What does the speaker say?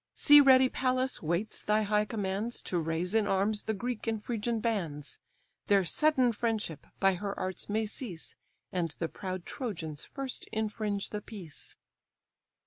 See ready Pallas waits thy high commands To raise in arms the Greek and Phrygian bands; Their sudden friendship by her arts may cease, And the proud Trojans first infringe the peace."